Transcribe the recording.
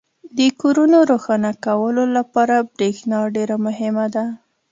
• د کورونو روښانه کولو لپاره برېښنا ډېره مهمه ده.